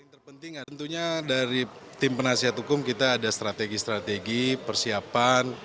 yang terpenting tentunya dari tim penasihat hukum kita ada strategi strategi persiapan